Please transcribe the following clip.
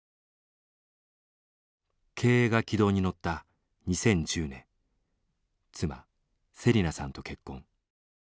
経営が軌道に乗った２０１０年妻せりなさんと結婚。